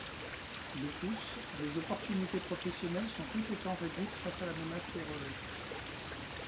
De plus, les opportunités professionnelles sont tout autant réduites face à la menace terroriste.